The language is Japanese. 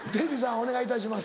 お願いいたします。